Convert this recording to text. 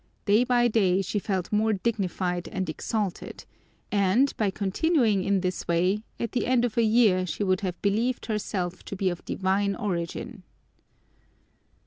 Day by day she felt more dignified and exalted and, by continuing in this way, at the end of a year she would have believed herself to be of divine origin.